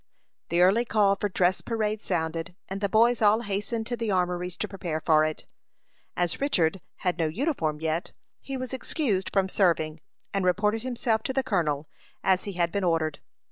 The early call for dress parade sounded, and the boys all hasted to the armories to prepare for it. As Richard had no uniform yet, he was excused from serving, and reported himself to the colonel, as he had been ordered.